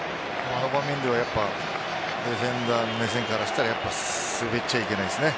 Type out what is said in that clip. あの場面ではディフェンダー目線からしたら滑っちゃいけないですね。